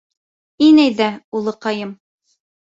— Ин әйҙә, улыҡайым!